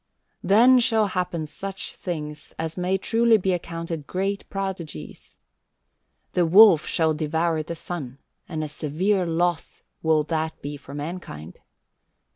64. "Then shall happen such things as may truly be accounted great prodigies. The wolf shall devour the sun, and a severe loss will that be for mankind.